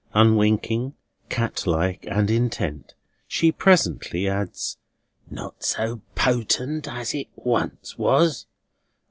Unwinking, cat like, and intent, she presently adds: "Not so potent as it once was?